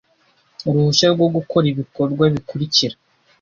uruhushya rwo gukora ibikorwa bikurikira